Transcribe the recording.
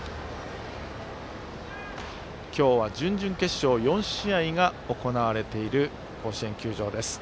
今日は準々決勝、４試合が行われている甲子園球場です。